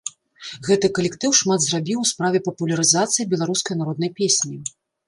Гэты калектыў шмат зрабіў у справе папулярызацыі беларускай народнай песні.